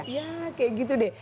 kayak gitu deh